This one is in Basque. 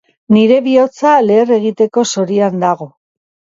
Nire bihotza leher egiteko zorian dago.